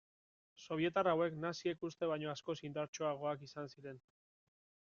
Sobietar hauek naziek uste baino askoz indartsuagoak izan ziren.